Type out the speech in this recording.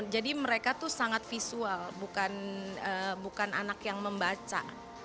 jadi mereka itu sangat visual bukan anak yang membaca